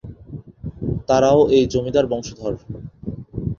তারাও এই জমিদার বংশধর।